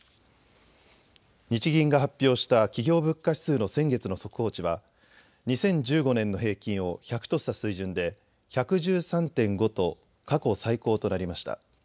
日銀が発表した企業物価指数の先月の速報値は２０１５年の平均を１００とした水準で１１３．５と過去最高となりました。